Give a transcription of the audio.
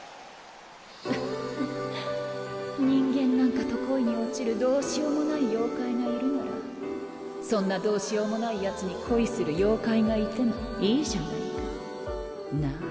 フッ人間なんかと恋に落ちるどうしようもない妖怪がいるならそんなどうしようもない奴に恋する妖怪がいてもいいじゃないか。なあ？